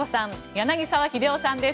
柳澤秀夫さんです。